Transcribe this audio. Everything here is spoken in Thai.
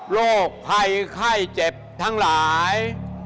โรคภัยไข้เจ็บทั้งหลาย